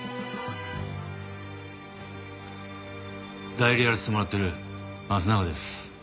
代理やらせてもらってる益永です。